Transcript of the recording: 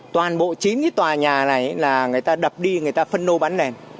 toàn bộ chín tòa nhà này là người ta đập đi người ta phân nô bán